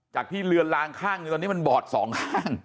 จากที่เลือนลางข้างนึงตอนนี้มันบอด๒ข้าง